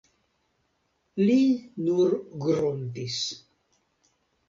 Li nur gruntis.